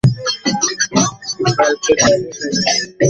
কয়েকটি cafe, cabaret, pub, বিশেষত Moulin রুঝ ছিল তাঁর একান্ত পরিসর।